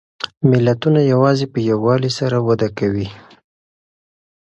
ملتونه یوازې په یووالي سره وده کوي.